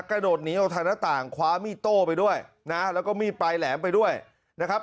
กระโดดหนีออกทางหน้าต่างคว้ามีดโต้ไปด้วยนะแล้วก็มีดปลายแหลมไปด้วยนะครับ